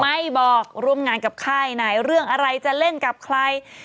ไม่บอกร่วมงานกับค่ายไหนเรื่องอะไรจะเล่นกับใคร